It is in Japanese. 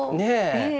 ねえ。